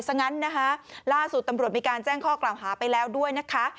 ซะงั้นนะคะล่าสุดตำรวจมีการแจ้งข้อกล่าวหาไปแล้วด้วยนะคะ